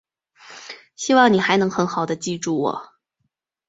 希望你还能很好地记住我。